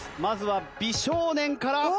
まずは美少年から。